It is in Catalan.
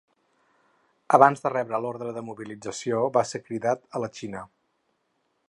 Abans de rebre d'ordre de mobilització, va ser cridat a la Xina.